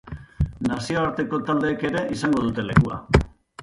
Nazioarteko taldeek ere izango dute lekua.